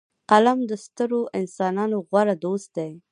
قلم د سترو انسانانو غوره دوست دی